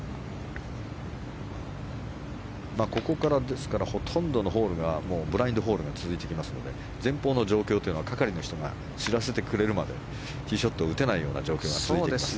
ここから、ほとんどのホールがブラインドホールが続いていきますので前方の状況を係の人が伝えてくれるまでティーショットを打てない状況が続いていきます。